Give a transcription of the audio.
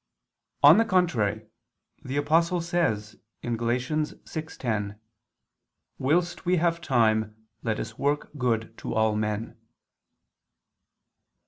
On the contrary, The Apostle says (Gal. 6:10): "Whilst we have time, let us work good to all men."